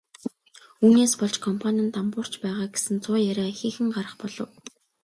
Үүнээс болж компани нь дампуурч байгаа гэсэн цуу яриа ихээхэн гарах болов.